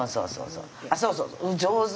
そうそうそう上手！